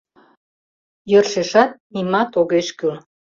Йӧршешат нимат огеш кӱл.